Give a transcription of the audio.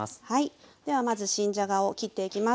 ではまず新じゃがを切っていきます。